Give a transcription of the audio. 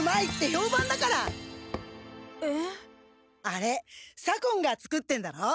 あれ左近が作ってんだろ？